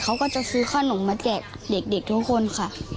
เขาก็จะซื้อขนมมาแจกเด็กทุกคนค่ะ